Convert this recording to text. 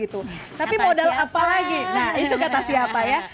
tapi modal apa lagi nah itu kata siapa ya